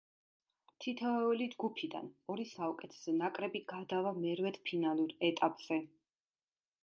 თითოეული ჯგუფიდან ორი საუკეთესო ნაკრები გადავა მერვედფინალურ ეტაპზე.